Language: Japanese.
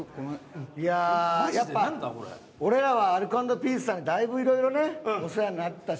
やっぱ俺らはアルコ＆ピースさんにだいぶ色々とお世話になったし。